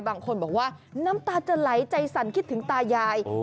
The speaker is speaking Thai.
บางคนบอกว่าน้ำตาจะไหลใจสั่นคิดถึงตายาย